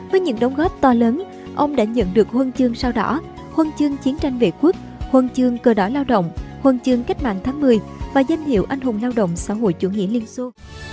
với những đóng góp to lớn ông đã nhận được huân chương sao đỏ huân chương chiến tranh vệ quốc huân chương cờ đỏ lao động huân chương cách mạng tháng một mươi và danh hiệu anh hùng lao động xã hội chủ nghĩa liên xô